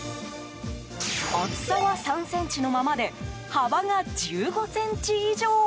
厚さは３ｃｍのままで幅が１５ｃｍ以上。